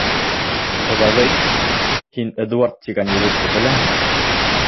Ҡоҙағый, һин Эдуард тигән егетте беләһеңме?